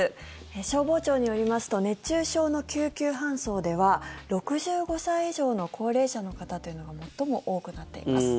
消防庁によりますと熱中症の救急搬送では６５歳以上の高齢者の方というのが最も多くなっています。